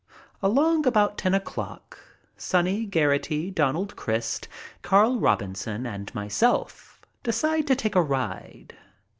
Along about ten o'clock Sonny, Ger aghty, Donald Crist, Carl Robinson, and myself decide to take a ride.